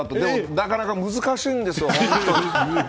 なかなか難しいんですよ。